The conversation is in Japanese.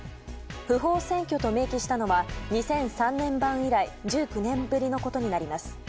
不法占拠と明記したのは２００３年版以来１９年ぶりのことになります。